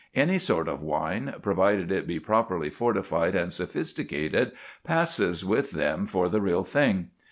Any sort of wine, provided it be properly fortified and sophisticated, passes with them for the real thing.